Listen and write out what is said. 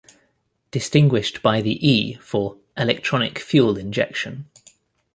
Distinguished by the "E" for "Electronic Fuel Injection".